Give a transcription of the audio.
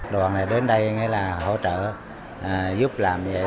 đoàn này đến đây là hỗ trợ giúp làm vậy